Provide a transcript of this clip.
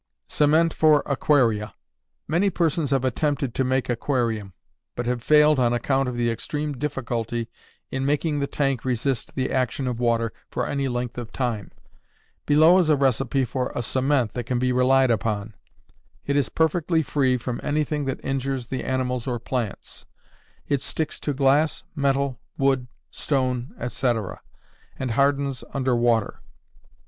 Cement for Aquaria. Many persons have attempted to make aquarium, but have failed on account of the extreme difficulty in making the tank resist the action of water for any length of time. Below is a recipe for a cement that can be relied upon; it is perfectly free from anything that injures the animals or plants; it sticks to glass, metal, wood, stone, etc., and hardens under water.